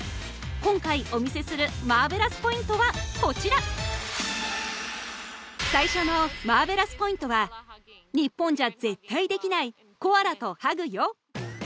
今回お見せするマーベラスポイントはこちら最初のマーベラスポイントは日本じゃ絶対できないコアラとハグよ